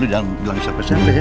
lu jangan jauhi sampai sampai ya